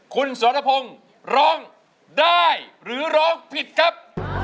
คุณสรพงศ์ร้องได้หรือร้องผิดครับ